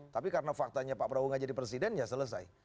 tapi karena faktanya pak prabowo gak jadi presiden ya selesai